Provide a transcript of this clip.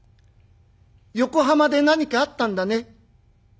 横浜で何かあったんだね。